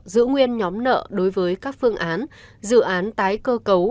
giữ nguyên nhóm nợ đối với các phương án dự án tái cơ cấu